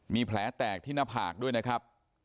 มีแผลแตกที่หน้าผากด้วยนะครับ